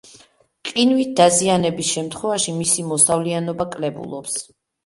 ყინვით დაზიანების შემთხვევაში მისი მოსავლიანობა კლებულობს.